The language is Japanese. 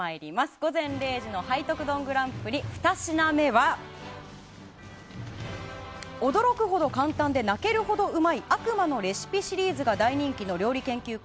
午前０時の背徳丼グランプリ２品目は驚くほど簡単で泣けるほどうまい「悪魔のレシピ」シリーズが大人気の料理研究家